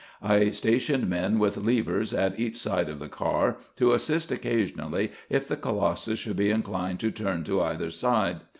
I stationed men with levers at each side of the car, to assist occasionally, if the colossus should be inclined to turn to either side.